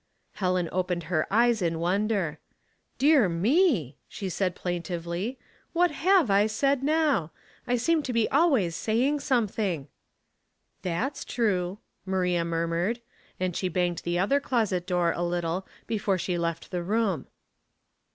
Helen opened her eyes in wonder. " Dear me !" she said, plaintively, " what have I said now ? I seem to be always saying something." " That's true," Maria murmured ; and she banged the other closet door a little before she left the room.